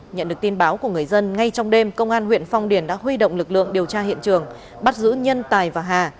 nhận được tin báo của người dân ngay trong đêm công an huyện phong điền đã huy động lực lượng điều tra hiện trường bắt giữ nhân tài và hà